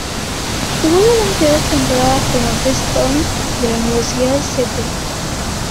Jugó durante dos temporadas con los "Red Storm" de la Universidad St.